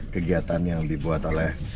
kegiatan yang dibuat oleh